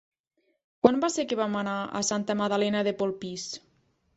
Quan va ser que vam anar a Santa Magdalena de Polpís?